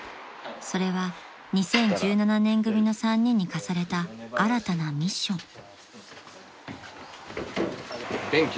［それは２０１７年組の３人に課された新たなミッション］